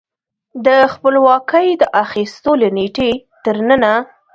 د خپلواکۍ د اخیستو له نېټې تر ننه